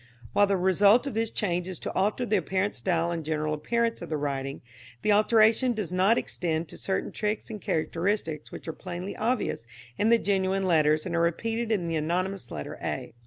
While the result of this change is to alter the apparent style and general appearance of the writing, the alteration does not extend to certain tricks and characteristics which are plainly obvious in the genuine letters and are repeated in the anonymous letter A.